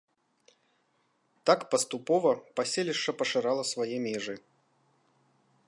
Так паступова паселішча пашырала свае межы.